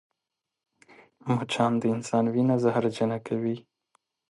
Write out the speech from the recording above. مچان د انسان وینه زهرجنه کوي